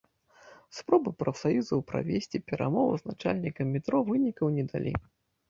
Спробы прафсаюзаў правесці перамовы з начальнікам метро вынікаў не далі.